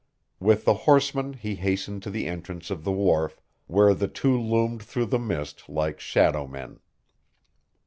With the horseman he hastened to the entrance of the wharf, where the two loomed through the mist like shadow men.